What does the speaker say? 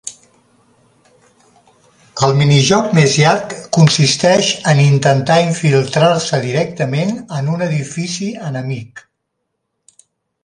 El minijoc més llarg consisteix en intentar infiltrar-se directament en un edifici enemic.